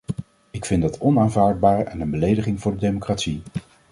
Ik vind dat onaanvaardbaar en een belediging voor de democratie.